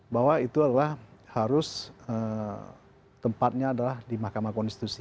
bahwa itu adalah harus tempatnya adalah di mahkamah konstitusi